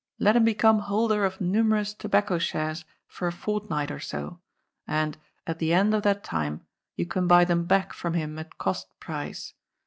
" Let him become holder of numerous tobacco shares for a fort night or BO, and, at the end of that time, you can buy them back from him at cost price.